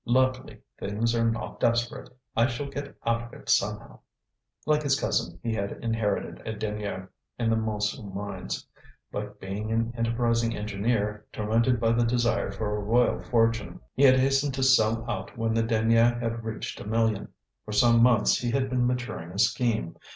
Luckily things are not desperate; I shall get out of it somehow." Like his cousin he had inherited a denier in the Montsou mines. But being an enterprising engineer, tormented by the desire for a royal fortune, he had hastened to sell out when the denier had reached a million. For some months he had been maturing a scheme.